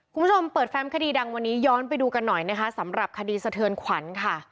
คุณผู้ชมเปิดแฟมคดีดังวันนี้ย้อนไปดูกันหน่อยนะคะสำหรับคดีสะเทือนขวัญค่ะ